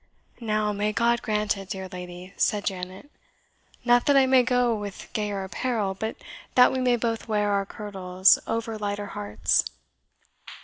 "Now, may God grant it, dear lady!" said Janet "not that I may go with gayer apparel, but that we may both wear our kirtles over lighter hearts."